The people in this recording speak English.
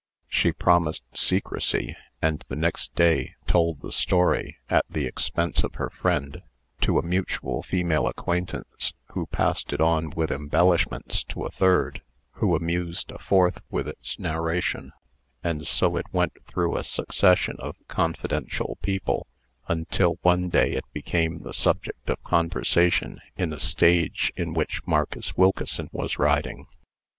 She promised secrecy, and the next day told the story, at the expense of her friend, to a mutual female acquaintance, who passed it on with embellishments to a third, who amused a fourth with its narration; and so it went through a succession of confidential people, until, one day, it became the subject of conversation in a stage in which Marcus Wilkeson was riding.